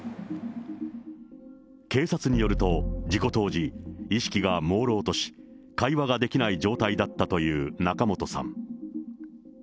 警察によると、事故当時、意識がもうろうとし、会話ができない状態だったという仲本さん。